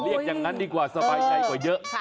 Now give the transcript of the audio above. อย่างนั้นดีกว่าสบายใจกว่าเยอะ